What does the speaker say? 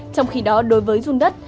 trong khi đó đối với run đất